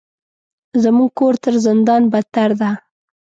زموږ کور تر زندان بدتر ده.